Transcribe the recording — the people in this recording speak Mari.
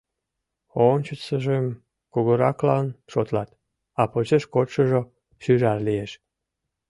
Ончычсыжым кугураклан шотлат, а почеш кодшыжо шӱжар лиеш.